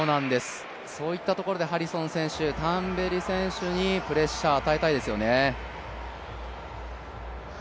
そういったところでハリソン選手、タンベリ選手にプレッシャー与えたいですよね。